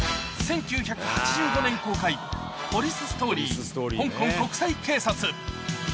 １９８５年公開、ポリス・ストーリー香港国際警察。